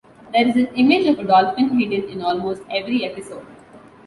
There is an image of a dolphin hidden in almost every episode.